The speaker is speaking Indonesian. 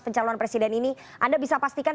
pencalon presiden ini anda bisa pastikan